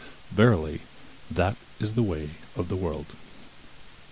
Verily, that is the way of the world.